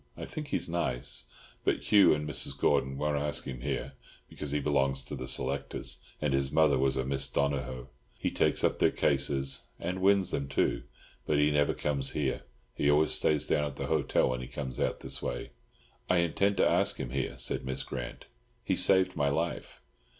I think he's nice, but Hugh and Mrs. Gordon won't ask him here because he belongs to the selectors, and his mother was a Miss Donohoe. He takes up their cases—and wins them, too. But he never comes here. He always stays down at the hotel when he comes out this way." "I intend to ask him here," said Miss Grant. "He saved my life."